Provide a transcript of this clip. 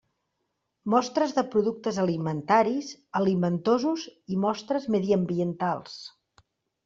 Mostres de productes alimentaris, alimentosos i mostres mediambientals.